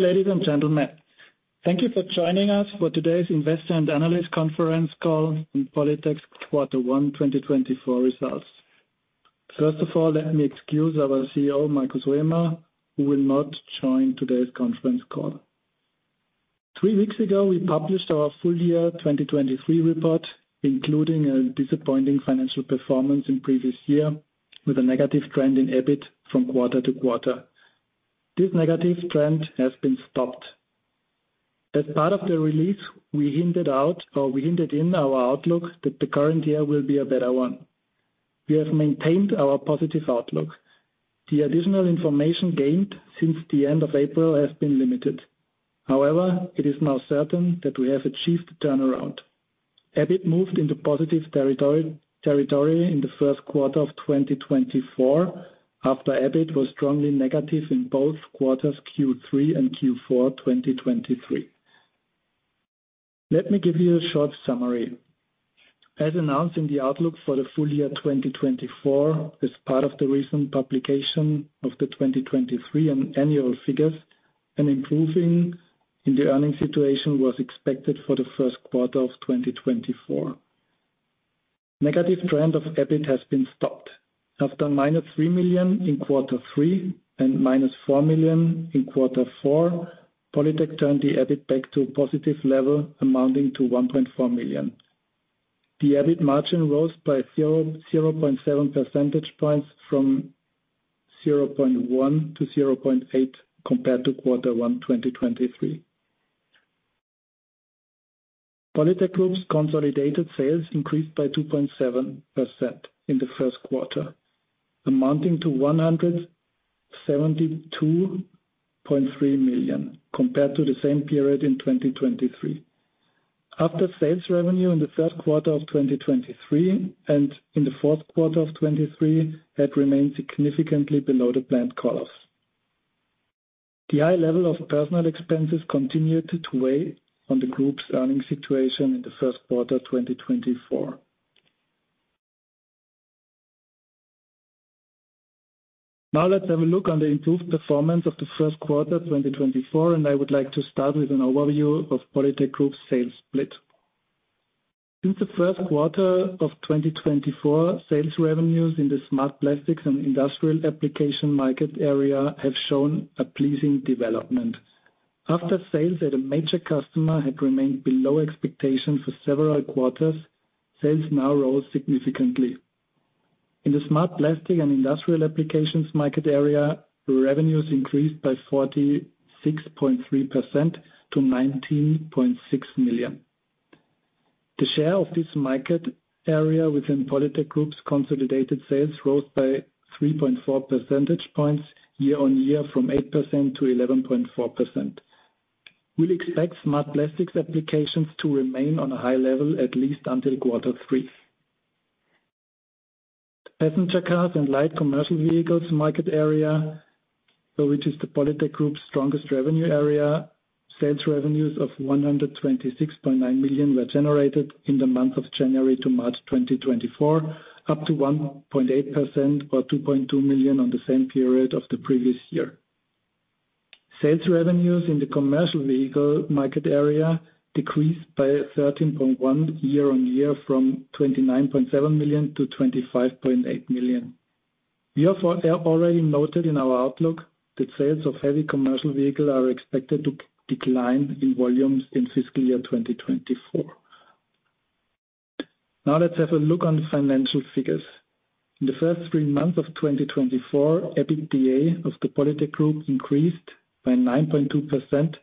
Ladies and gentlemen, thank you for joining us for Today's Investor and Analyst Conference Call on POLYTEC's Quarter 1, 2024 results. First of all, let me excuse our CEO, Markus Huemer, who will not join today's conference call. Three weeks ago, we published our full year 2023 report, including a disappointing financial performance in previous year, with a negative trend in EBIT from quarter to quarter. This negative trend has been stopped. As part of the release, we hinted out, or we hinted in our outlook, that the current year will be a better one. We have maintained our positive outlook. The additional information gained since the end of April has been limited. However, it is now certain that we have achieved the turnaround. EBIT moved into positive territory in the first quarter of 2024, after EBIT was strongly negative in both quarters, Q3 and Q4 2023. Let me give you a short summary. As announced in the outlook for the full year 2024, as part of the recent publication of the 2023 annual figures, an improving in the earnings situation was expected for the first quarter of 2024. Negative trend of EBIT has been stopped. After -3 million in quarter three and -4 million in quarter four, POLYTEC turned the EBIT back to a positive level, amounting to 1.4 million. The EBIT margin rose by 0.7 percentage points, from 0.1% to 0.8%, compared to quarter one 2023. POLYTEC GROUP's consolidated sales increased by 2.7% in the first quarter, amounting to 172.3 million, compared to the same period in 2023. After sales revenue in the third quarter of 2023 and in the fourth quarter of 2023 had remained significantly below the planned figures. The high level of personnel expenses continued to weigh on the group's earnings situation in the first quarter 2024. Now let's have a look on the improved performance of the first quarter 2024, and I would like to start with an overview of POLYTEC GROUP's sales split. In the first quarter of 2024, sales revenues in the Smart Plastics and Andustrial application market area have shown a pleasing development. After sales at a major customer had remained below expectations for several quarters, sales now rose significantly. In the Smart Plastics and Industrial Applications market area, revenues increased by 46.3% to 19.6 million. The share of this market area within POLYTEC GROUP's consolidated sales rose by 3.4 percentage points, year-on-year from 8% to 11.4%. We expect Smart Plastics Applications to remain on a high level, at least until quarter three. Passenger cars and light commercial vehicles market area, which is the POLYTEC GROUP's strongest revenue area, sales revenues of 126.9 million were generated in the month of January to March 2024, up to 1.8%, or 2.2 million on the same period of the previous year. Sales revenues in the commercial vehicle market area decreased by 13.1%, year-on-year, from 29.7 million to 25.8 million. We have already noted in our outlook that sales of heavy commercial vehicle are expected to decline in volumes in fiscal year 2024. Now let's have a look on the financial figures. In the first three months of 2024, EBITDA of the POLYTEC GROUP increased by 9.2%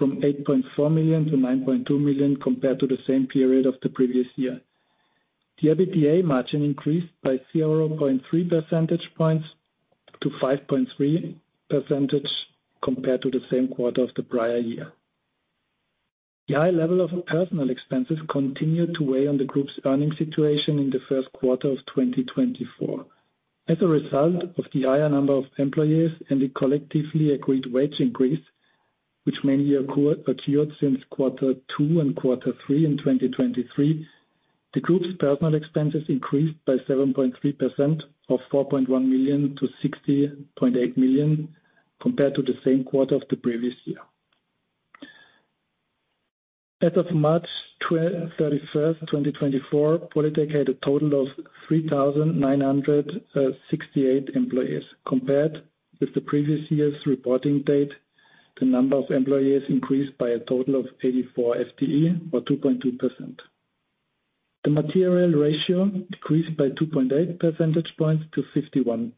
from 8.4 million to 9.2 million, compared to the same period of the previous year. The EBIT margin increased by 0.3% points to 5.3%, compared to the same quarter of the prior year. The high level of personnel expenses continued to weigh on the group's earnings situation in the first quarter of 2024. As a result of the higher number of employees and the collectively agreed wage increase, which mainly occurred since quarter two and quarter three in 2023, the group's personnel expenses increased by 7.3%, of 4.1 million to 60.8 million, compared to the same quarter of the previous year. As of March thirty-first, 2024, POLYTEC had a total of 3,968 employees. Compared with the previous year's reporting date, the number of employees increased by a total of 84 FTE or 2.2%. The material ratio decreased by 2.8% points to 51%,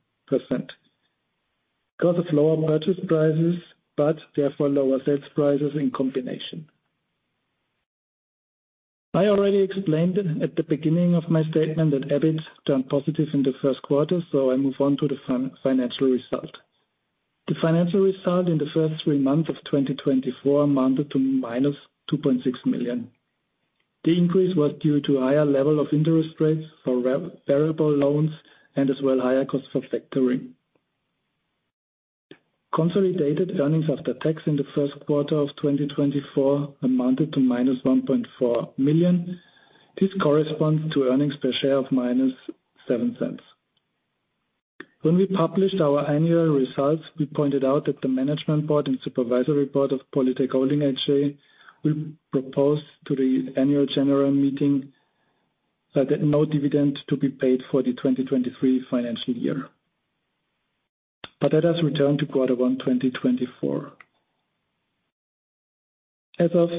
because of lower purchase prices, but therefore lower sales prices in combination. I already explained it at the beginning of my statement, that EBIT turned positive in the first quarter, so I move on to the financial result. The financial result in the first three months of 2024 amounted to -2.6 million. The increase was due to higher level of interest rates for variable loans and as well higher cost for factoring. Consolidated earnings after tax in the first quarter of 2024 amounted to -1.4 million. This corresponds to earnings per share of -0.07.... When we published our annual results, we pointed out that the management board and supervisory board of Polytec Holding AG, we proposed to the annual general meeting that no dividend to be paid for the 2023 financial year. But let us return to quarter one, 2024. As of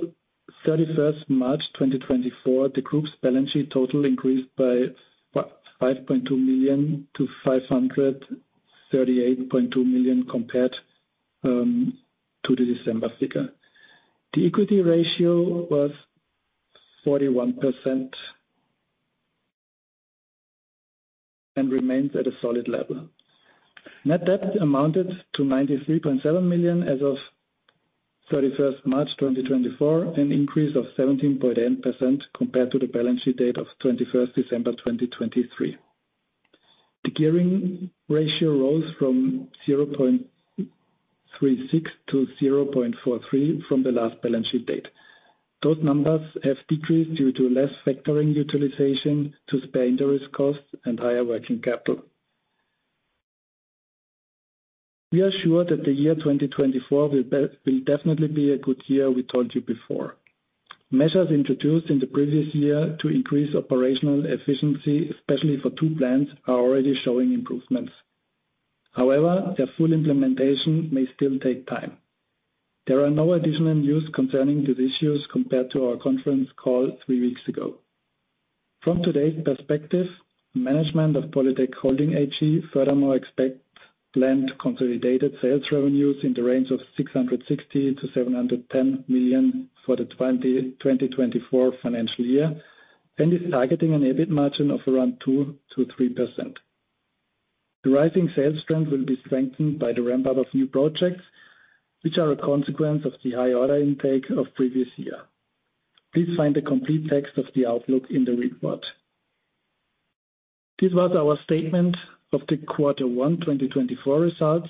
31 March 2024, the group's balance sheet total increased by, what? 5.2 million-538.2 million compared to the December figure. The equity ratio was 41% and remains at a solid level. Net debt amounted to 93.7 million as of 31 March 2024, an increase of 17.8% compared to the balance sheet date of 21 December 2023. The gearing ratio rose from 0.36-0.43 from the last balance sheet date. Those numbers have decreased due to less factoring utilization, to spend the risk costs, and higher working capital. We are sure that the year 2024 will definitely be a good year, we told you before. Measures introduced in the previous year to increase operational efficiency, especially for two plants, are already showing improvements. However, their full implementation may still take time. There are no additional news concerning these issues compared to our conference call three weeks ago. From today's perspective, management of Polytec Holding AG furthermore expects planned consolidated sales revenues in the range of 660-710 million for the 2024 financial year, and is targeting an EBIT margin of around 2%-3%. The rising sales strength will be strengthened by the ramp-up of new projects, which are a consequence of the high order intake of previous year. Please find the complete text of the outlook in the report. This was our statement of the Q1 2024 results.